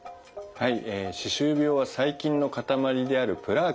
はい。